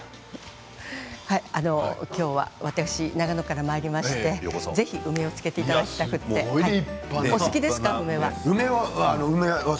きょうは私、長野からまいりましてぜひ梅を漬けていただきたくてお好きですか、梅は。